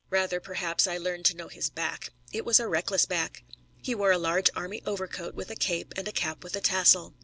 Rather, perhaps, I learned to know his back. It was a reckless back. He wore a large army overcoat with a cape and a cap with a tassel.